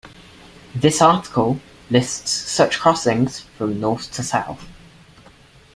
This article lists such crossings from north to south.